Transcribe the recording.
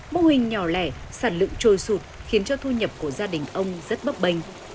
mô hình nhỏ lẻ sản lượng trôi sụt khiến cho thu nhập của gia đình ông rất bấp bênh